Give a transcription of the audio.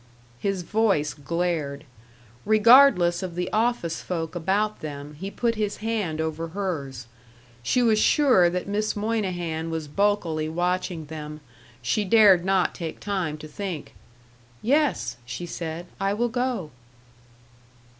His voice glared. Regardless of the office folk about them, he put his hand over hers. She was sure that Miss Moynihan was bulkily watching them. She dared not take time to think. "Yes," she said, "I will go."